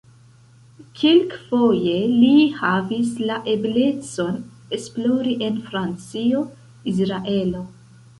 Kelkfoje li havis la eblecon esplori en Francio, Izraelo.